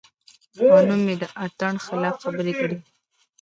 او نۀ مې د اتڼ خلاف خبره کړې ده -